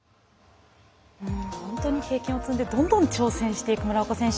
本当に経験を積んでどんどん挑戦していく村岡選手